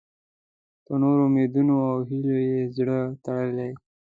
په نورو امیدونو او هیلو یې زړه تړلی.